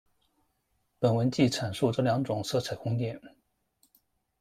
本文即阐述这两种色彩空间。